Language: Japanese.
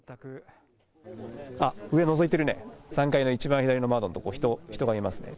あっ、上、のぞいてるね、３階の一番左の窓の所、人、人がいますね。